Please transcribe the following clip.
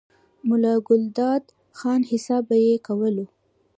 ملا ګلداد خان، حساب به ئې کولو،